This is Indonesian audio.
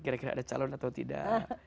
kira kira ada calon atau tidak